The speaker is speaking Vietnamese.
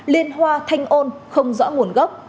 liên hoa thanh ôn không rõ nguồn gốc